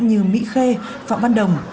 như mỹ khê phạm văn đồng